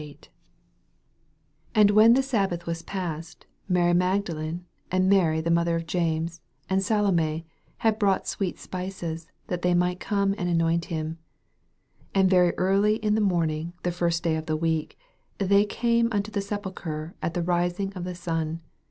18. 1 Atd when the sabbath was past, Mary Magdalene, and Mary the mo ther of James, and Salome, had bought sweet spices, that they might come and anomt him. 2 And very early in the morning the first day of the week, they came unto the sepulchre at the rising of the sun.